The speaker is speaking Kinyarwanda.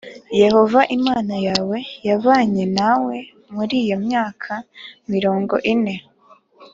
Yehova Imana yawe yabanye nawe muri iyo myaka mirongo ine